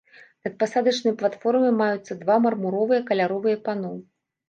Над пасадачнай платформай маюцца два мармуровыя каляровыя пано.